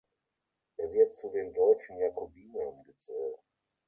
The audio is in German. Er wird zu den „deutschen Jakobinern“ gezählt.